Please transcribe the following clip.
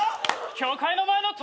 教会の前の扉。